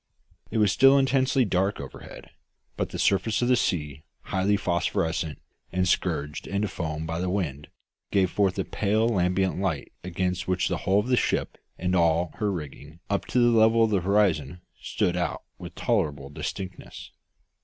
It was still intensely dark overhead; but the surface of the sea, highly phosphorescent, and scourged into foam by the wind, gave forth a pale lambent light against which the hull of the ship and all her rigging up to the level of the horizon stood out with tolerable distinctness.